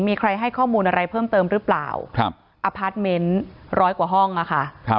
มีใครให้ข้อมูลอะไรเพิ่มเติมหรือเปล่าครับอพาร์ทเมนต์ร้อยกว่าห้องอ่ะค่ะ